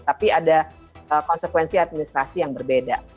tapi ada konsekuensi administrasi yang berbeda